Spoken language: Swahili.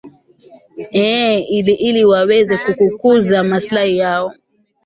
ee ili ili waweze ku kukuza maslahi yao